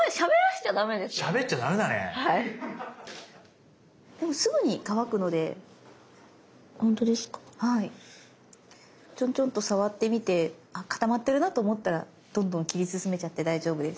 ちょんちょんと触ってみてあ固まってるなと思ったらどんどん切り進めちゃって大丈夫です。